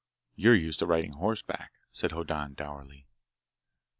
"You're used to riding horseback," said Hoddan dourly.